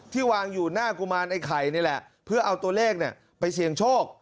วางอยู่หน้ากุมารไอ้ไข่นี่แหละเพื่อเอาตัวเลขไปเสี่ยงโชค